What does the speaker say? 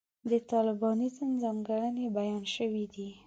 د طالبانیزم ځانګړنې بیان شوې دي.